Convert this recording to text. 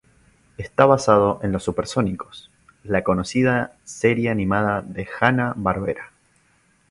Está basado en "Los Supersónicos", la conocida serie animada de Hanna-Barbera.